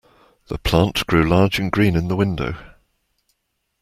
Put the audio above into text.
The plant grew large and green in the window.